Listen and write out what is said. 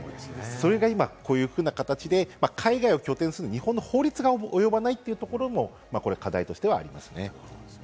それが今、こういうふうな形で海外を拠点とする日本の法律が及ばないというところの課題としてはありますね。